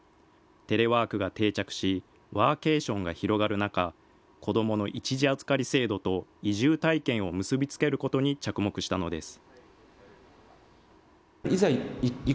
テレワークが定着し、ワーケーションが広がる中、子どもの一時預かり制度と移住体験を結び付けることに着目したのです。